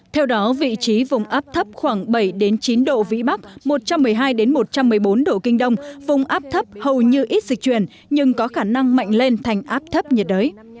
theo đó vị trí vùng áp thấp khoảng bảy chín độ vĩ bắc một trăm một mươi hai một trăm một mươi bốn độ kinh đông vùng áp thấp hầu như ít dịch chuyển nhưng có khả năng mạnh lên thành áp thấp nhiệt đới